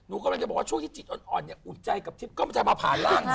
หนูกำลังจะบอกว่าช่วงที่จิตอ่อนเนี่ยอุดใจกับทิพย์ก็มันจะมาผ่านร่างหนู